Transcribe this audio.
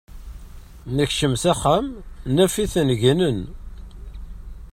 Nekcem s axxam, naf-iten gnen.